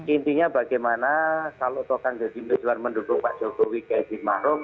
intinya bagaimana kalau kang dedy mezwar mendukung pak jokowi kayak di marok